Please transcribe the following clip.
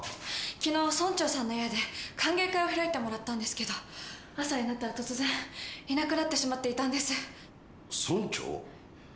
昨日村長さんの家で歓迎会を開いてもらったんですけど朝になったら突然いなくなってしまっていたんです。